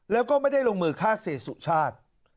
แล้วก็ไม่ได้ลงมือฆ่าเสียสุชาติ